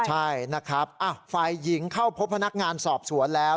ใช่นะครับฝ่ายหญิงเข้าพบพนักงานสอบสวนแล้ว